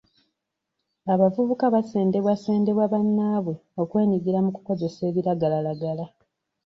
Abavubuka basendebwasendebwa bannaabwe okwenyigira mu kukozesa ebiragalalagala.